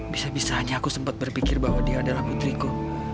bisa bisanya aku sempat berpikir bahwa dia adalah putriku